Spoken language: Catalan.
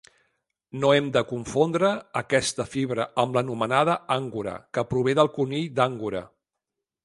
No hem de confondre aquesta fibra amb l'anomenada angora, que prové del conill d'angora.